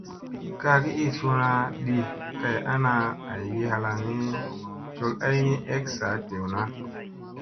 Kaagi ii suuna di kay ana aygi halaŋgi col ay nii ek saa dewna.